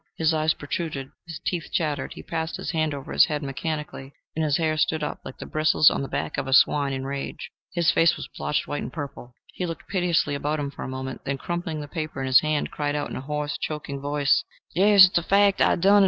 His eyes protruded, his teeth chattered, he passed his hand over his head mechanically, and his hair stood up like the bristles on the back of a swine in rage. His face was blotched white and purple. He looked piteously about him for a moment, then crumpling the paper in his hand, cried out in a hoarse, choking voice, "Yes, it's a fact: I done it.